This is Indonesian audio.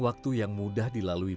kalau aku tuh sakit